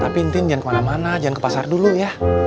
tapi intinya jangan kemana mana jangan ke pasar dulu ya